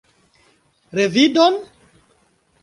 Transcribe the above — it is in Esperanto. Revidon?